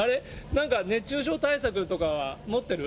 なんか熱中症対策とかは持ってる？